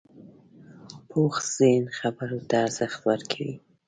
پوخ ذهن خبرو ته ارزښت ورکوي